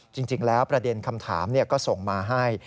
จริงแล้วประเด็นคำถามก็ส่งมาให้